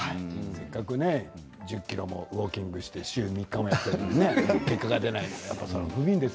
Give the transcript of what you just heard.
せっかく１０ｋｍもウォーキングして週に３日もやって結果が出ないとかね。